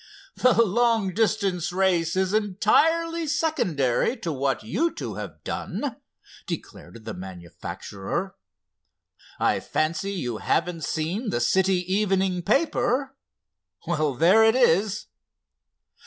"The long distance race is entirely secondary to what you two have done," declared the manufacturer. "I fancy you haven't seen the city evening paper? Well, there it is."